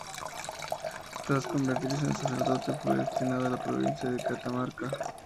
Tras convertirse en sacerdote fue destinado a la provincia de Catamarca.